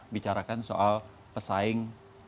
bicarakan soal pesaing